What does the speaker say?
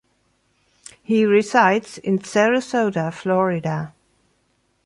He resides in Sarasota, Florida.